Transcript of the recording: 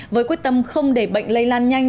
với quyết tâm không để bệnh lây lan nhanh